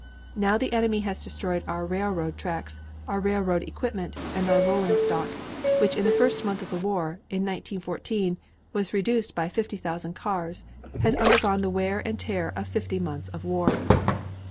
Now the enemy has destroyed our railroad tracks, our railroad equipment, and our rolling stock, which in the first month of the war, in 1914, was reduced by 50,000 cars, has undergone the wear and tear of fifty months of war.